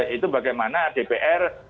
itu bagaimana dpr